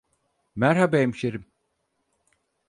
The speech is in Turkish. Merhaba hemşerim!